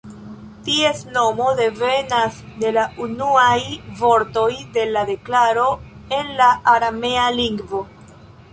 Ties nomo devenas de la unuaj vortoj de la deklaro en la aramea lingvo.